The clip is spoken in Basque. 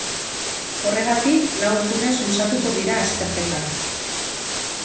Horregatik, lau egunez luzatuko dira azterketak.